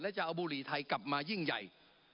และจะเอาบุหรี่ไทยกลับมายิ่งใหญ่